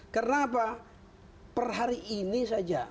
kenapa per hari ini saja